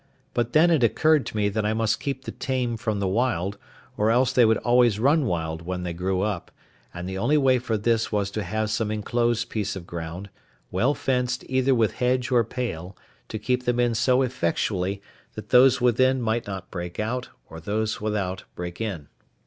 But then it occurred to me that I must keep the tame from the wild, or else they would always run wild when they grew up; and the only way for this was to have some enclosed piece of ground, well fenced either with hedge or pale, to keep them in so effectually, that those within might not break out, or those without break in.